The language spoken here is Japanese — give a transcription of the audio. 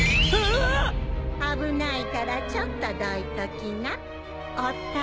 危ないからちょっとどいときなお玉。